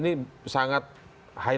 mereka sudah melakukan ini